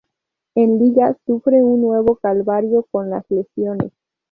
En Liga, sufre un nuevo calvario con las lesiones.